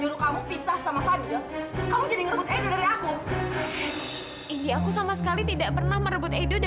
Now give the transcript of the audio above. sampai jumpa di video selanjutnya